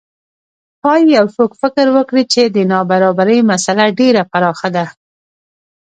ښايي یو څوک فکر وکړي چې د نابرابرۍ مسئله ډېره پراخه ده.